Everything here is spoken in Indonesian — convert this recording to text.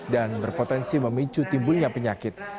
dan berpotensi memicu timbulnya penyakit